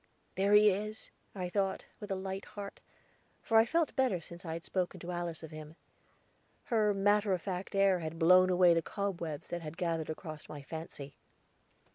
"There he is," I thought, with a light heart, for I felt better since I had spoken to Alice of him. Her matter of fact air had blown away the cobwebs that had gathered across my fancy.